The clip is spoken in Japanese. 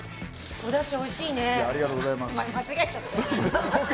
おだしおいしいね。